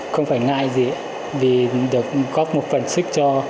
không phải ngại gì vì được góp một phần sức cho